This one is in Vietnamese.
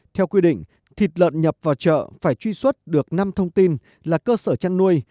theo quy định thịt lợn nhập vào chợ phải truy xuất được năm thông tin là cơ sở chăn nuôi